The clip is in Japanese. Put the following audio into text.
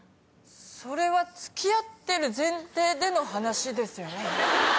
それは付き合ってる前提での話ですよね。